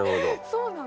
そうなの？